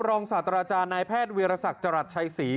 รองศาตราจารย์นายแพทย์วิรสัตว์จรัสชัยศรี